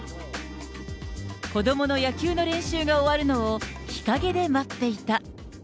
子どもの野球の練習が終わるのを日陰で待っていた。